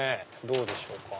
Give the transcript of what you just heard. どうでしょうか。